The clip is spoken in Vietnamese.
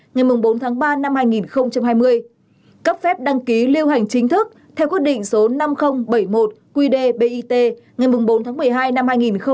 ngày bốn tháng ba năm hai nghìn hai mươi cấp phép đăng ký lưu hành chính thức theo quyết định số năm nghìn bảy mươi một qdbih ngày bốn tháng một mươi hai năm hai nghìn hai mươi